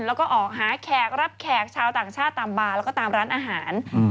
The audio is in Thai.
แล้วก็ออกหาแขกรับแขกชาวต่างชาติตามบาร์แล้วก็ตามร้านอาหาร